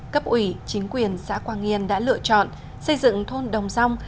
cấp ủy chính quyền xã quang nghiên đã lựa chọn xây dựng thôn đồng dòng